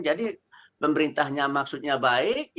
jadi pemerintahnya maksudnya baik